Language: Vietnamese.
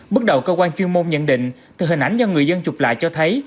bước đầu cơ quan chuyên môn nhận định từ hình ảnh do người dân chụp lại cho thấy